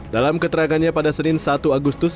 dalam keterangannya pada senin satu agustus